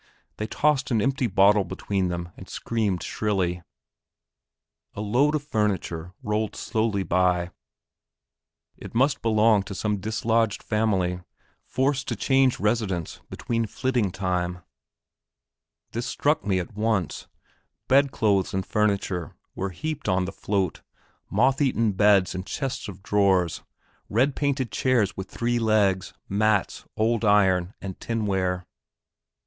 They tossed an empty bottle between them and screamed shrilly. A load of furniture rolled slowly by; it must belong to some dislodged family, forced to change residence between "flitting time." [Footnote: In Norway, 14th of March and October.] This struck me at once. Bed clothes and furniture were heaped on the float, moth eaten beds and chests of drawers, red painted chairs with three legs, mats, old iron, and tin ware.